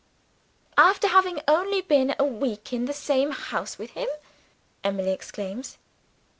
"After having only been a week in the same house with him!" Emily exclaims.